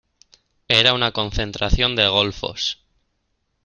Era una concentración de golfos.